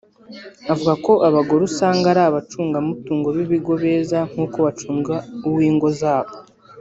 Avuga ko abagore usanga ari abacungamutungo b’ibigo beza nk’uko bacunga uw’ingo zabo